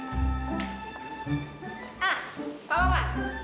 ah pak wawan